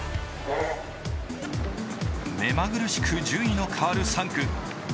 目まぐるしく順位の変わる３区。